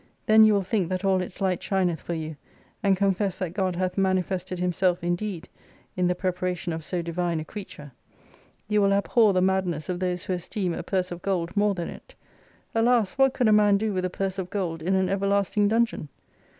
Then you will think that all its light shineth for you, and confess that God hath manifested Himself indeed, in the preparation of so divine a creature. You will abhor the madness of those who esteem a purse of gold more than it. Alas, what could a man do with a purse of gold in an everlasting dungeon